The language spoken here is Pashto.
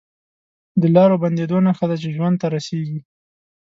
د لارو بندېدو نښه ده چې ژوند ته رسېږي